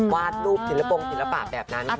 วาดรูปศิลปงศิลปะแบบนั้น